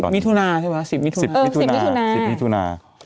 มิธุนาใช่ไหม๑๐มิธุนา